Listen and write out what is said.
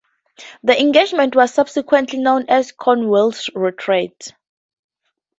The engagement was subsequently known as Cornwallis's Retreat.